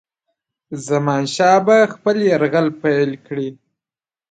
زمانشاه به خپل یرغل پیل کړي.